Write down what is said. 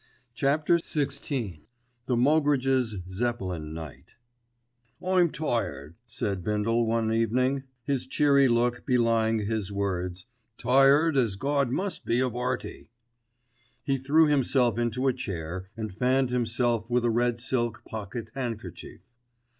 *CHAPTER XVI* *THE MOGGRIDGES' ZEPPELIN NIGHT* "I'm tired," said Bindle one evening, his cheery look belying his words, "tired as Gawd must be of 'Earty." He threw himself into a chair and fanned himself with a red silk pocket handkerchief.